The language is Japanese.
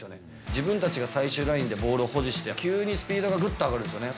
自分たちが最終ラインでボールを保持して、急にスピードがぐっと上がるんですよね。